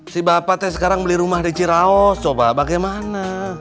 si bapak sekarang beli rumah di cirao coba bagaimana